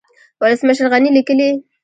ولسمشر غني ليکلي